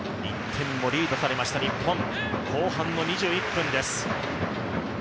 １点をリードされました日本後半の２１分です。